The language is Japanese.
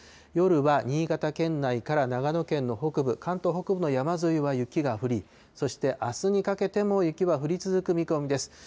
夜は新潟県内から長野県の北部、関東北部の山沿いは雪が降り、そしてあすにかけても雪は降り続く見込みです。